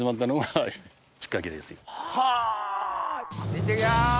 いってきます！